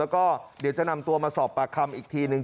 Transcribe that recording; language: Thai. แล้วก็เดี๋ยวจะนำตัวมาสอบปากคำอีกทีนึง